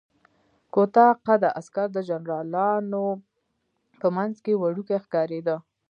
کوتاه قده عسکر د جنرالانو په منځ کې وړوکی ښکارېده.